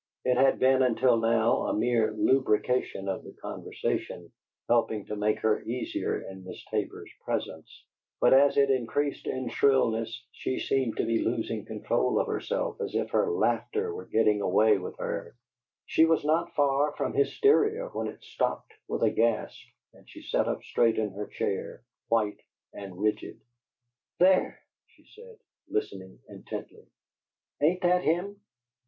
It had been, until now, a mere lubrication of the conversation, helping to make her easier in Miss Tabor's presence, but as it increased in shrillness, she seemed to be losing control of herself, as if her laughter were getting away with her; she was not far from hysteria, when it stopped with a gasp, and she sat up straight in her chair, white and rigid. "THERE!" she said, listening intently. "Ain't that him?"